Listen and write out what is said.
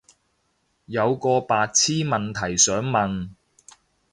有個白癡問題想問